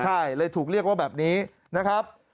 ใช่เลยถูกเรียกว่าแบบนี้นะครับ